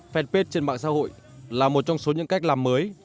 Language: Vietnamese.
fanpage trên mạng xã hội là một trong số những cách làm mới